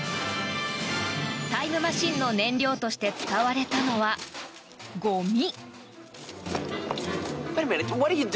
タイムマシンの燃料として使われたのはゴミ。